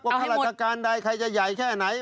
ข้าราชการใดใครจะใหญ่แค่ไหน